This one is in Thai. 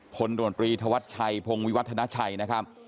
ตรวจตรีธวัชชัยพงวิวัฒนาชัยนะครับ